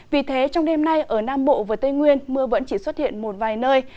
vì thế trong đêm nay ở nam bộ và tây nguyên mưa vẫn chỉ xuất hiện một vài nơi